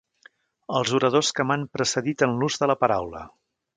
Els oradors que m'han precedit en l'ús de la paraula.